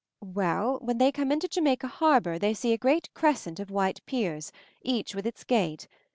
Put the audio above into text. "When they come into Jamaica Harbor they see a great crescent of white piers, each with its gate.